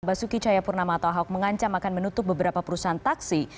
basuki cahayapurnama atau ahok mengancam akan menutup beberapa perusahaan taksi